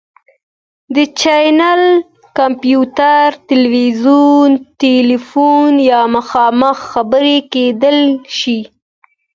دا چینل کمپیوټر، تلویزیون، تیلیفون یا مخامخ خبرې کیدی شي.